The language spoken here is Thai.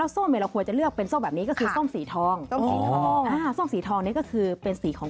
ส้มจะเลือกส้มแบบนี้ก็คือส้มสีทอง